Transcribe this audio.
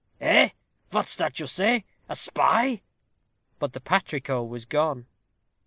"Eh! Vot's that you say? a spy?" But the patrico was gone.